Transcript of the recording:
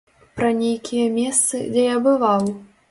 Пра нейкія месцы, дзе я бываў.